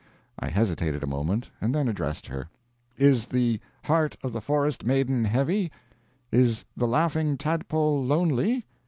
I hesitated a moment, and then addressed her: "Is the heart of the forest maiden heavy? Is the Laughing Tadpole lonely?